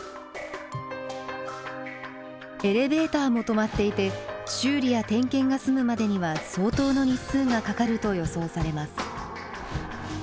エレベーターも止まっていて修理や点検が済むまでには相当の日数がかかると予想されます。